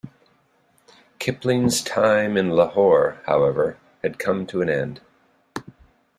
Kipling's time in Lahore, however, had come to an end.